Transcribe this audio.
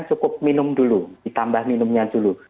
cukup minum dulu ditambah minumnya dulu